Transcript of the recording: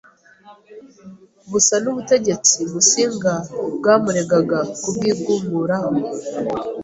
busa n’ubutegetsiwa Musinga bwamuregaga kubwigumuraho.